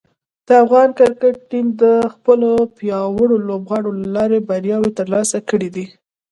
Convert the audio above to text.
د افغان کرکټ ټیم د خپلو پیاوړو لوبغاړو له لارې بریاوې ترلاسه کړې دي.